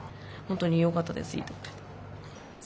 本当によかったです。